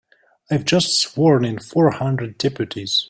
I've just sworn in four hundred deputies.